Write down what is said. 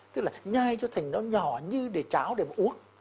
tức là nhai cho thành nó nhỏ như để cháo để mà uống